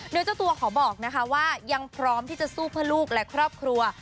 โดยเจ้าตัวขอบอกนะคะว่ายังพร้อมที่จะสู้เพื่อลูกและครอบครัว